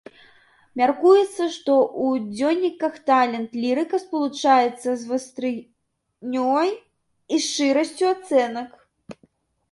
Мяркуецца, што ў дзённіках талент лірыка спалучаецца з вастрынёй і шчырасцю ацэнак.